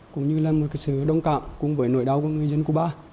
cũng như là một sự đồng cảm cùng với nỗi đau của người dân cuba